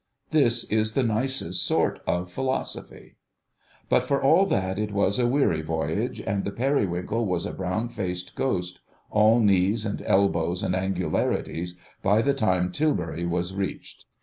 This is the nicest sort of philosophy. But for all that it was a weary voyage, and the Periwinkle was a brown faced ghost, all knees and elbows and angularities by the time Tilbury was reached.